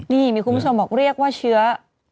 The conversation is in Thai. นี่มีคุณผู้ชมบอกเรียกว่าเชื้อ